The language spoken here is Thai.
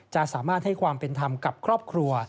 จะสามารถให้ความเป็นธรรมกับครอบครัว